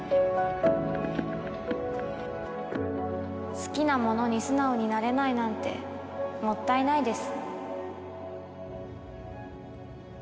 好きなものに素直になれないなんてもったいないです。